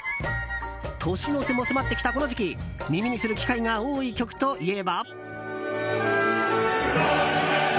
年の瀬も迫ってきたこの時期耳にする機会が多い曲といえば。